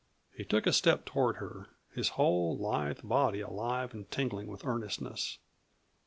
He took a step toward her, his whole lithe body alive and tingling with earnestness.